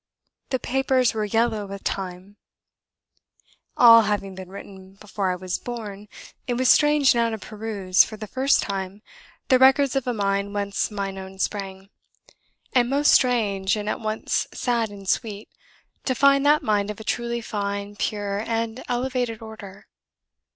The papers were yellow with time, all having been written before I was born it was strange now to peruse, for the first time, the records of a mind whence my own sprang; and most strange, and at once sad and sweet, to find that mind of a truly fine, pure, and elevated order.